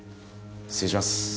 失礼します。